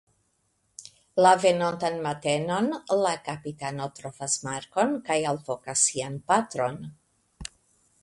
La venontan matenon la kapitano trovas Marko'n kaj alvokas sian patron.